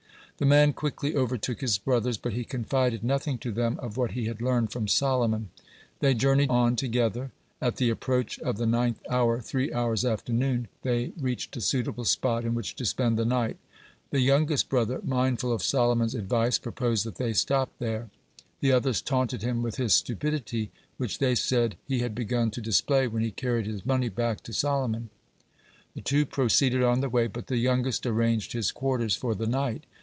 The man quickly overtook his brothers, but he confided nothing to them of what he had learned from Solomon. They journeyed on together. At the approach of the ninth hour three hours after noon they reached a suitable spot in which to spend the night. The youngest brother, mindful of Solomon's advice, proposed that they stop there. The others taunted him with his stupidity, which, they said, he had begun to display when he carried his money back to Solomon. The two proceeded on their way, but the youngest arranged his quarters for the night.